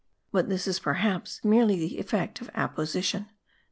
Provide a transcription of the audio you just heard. But this is perhaps merely the effect of apposition.